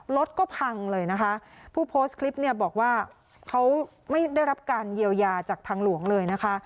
รถก็พังเลยนะคะผู้โพสต์คลิปเนี่ยบอกว่าเขาไม่ได้รับการเยียวยาจากทางหลวงเลยนะคะ